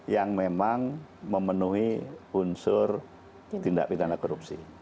yang memang memenuhi unsur tindak pidana korupsi